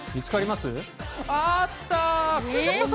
あった！